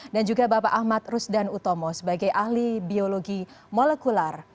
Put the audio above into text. dan juga bapak ahmad rusdan utomo sebagai ahli biologi molekular